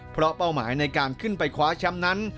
เพราะเป้าหมายในการขึ้นไปคว้าแชมป์นั้น